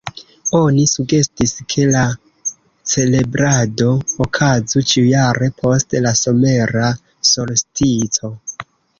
Oni sugestis, ke la celebrado okazu ĉiujare post la somera solstico.